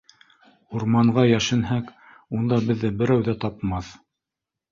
Урманға йәшенһәк, унда беҙҙе берәү ҙә тапмаҫ.